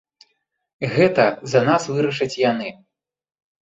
Гэта за нас вырашаць яны.